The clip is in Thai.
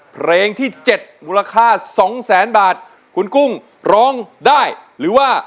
เพลงที่เจ็ดมูลค่าสองแสนบาทคุณกุ้งร้องได้หรือว่า